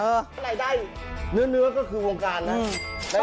ไหนได้เนื้อก็คือวงการน่ะ